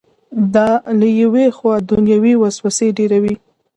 دا له یوې خوا دنیوي وسوسې ډېروي.